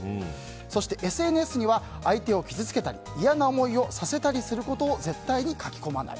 そしてＳＮＳには相手を傷つけたり嫌な思いをさせたりすることを絶対に書き込まない。